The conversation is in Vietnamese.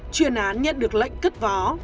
chuyên án nhận được lệnh cất vó